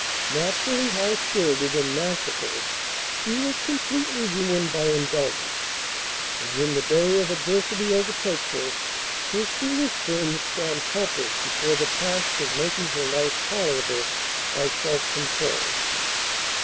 Naturally high spirited and masterful, she was completely ruined by indulgence; and, when the day of adversity overtakes her, her foolish friends stand helpless before the task of making her life tolerable by self control.